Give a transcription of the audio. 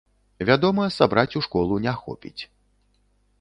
Вядома, сабраць у школу не хопіць.